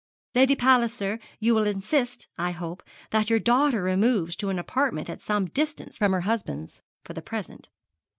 Lady Palliser, you will insist, I hope, that your daughter removes to an apartment at some distance from her husband's for the present.